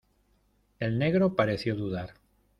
el negro pareció dudar.